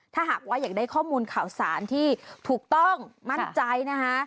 ถ้าหากว่าอยากได้ข้อมูลข่าวสารที่ถูกต้องมั่นใจนะคะ